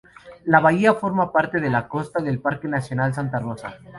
La bahía forma parte de la costa del Parque nacional Santa Rosa.